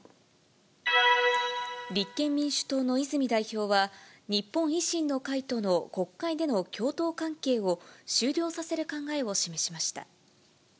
立憲民主党の泉代表は、日本維新の会との国会での共闘関係を終了させる考えを示しました。